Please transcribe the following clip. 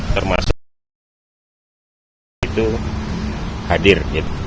termasuk empat belas pihak itu hadir